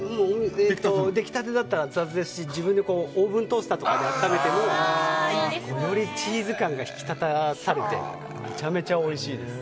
出来たてだったらアツアツですし自分でオーブントースターとかで温めてもよりチーズ感が引き立たされてめちゃめちゃおいしいです。